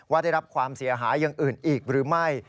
ได้รับความเสียหายอย่างอื่นอีกหรือไม่